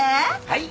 はい。